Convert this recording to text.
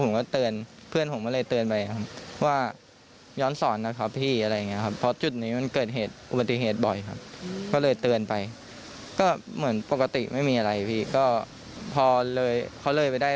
ผมก็เตือนเพื่อนผมก็เลยเตือนไปครับ